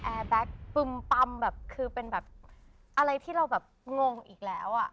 แบ็คปึมปัมแบบคือเป็นแบบอะไรที่เราแบบงงอีกแล้วอ่ะ